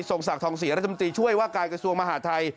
ศักดิทองศรีรัฐมนตรีช่วยว่าการกระทรวงมหาทัย